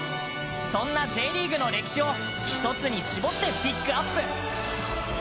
そんなＪリーグの歴史を一つに絞ってピックアップ。